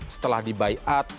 setelah di bayat